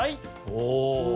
お。